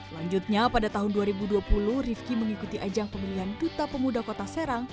lanjutnya pada tahun dua ribu dua puluh rifki mengikuti ajang pemilihan duta pemuda kota serang